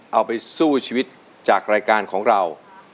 เอาไปสู้ชีวิตจากรายการของเรา